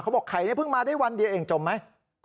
บอกไข่นี่เพิ่งมาได้วันเดียวเองจมไหม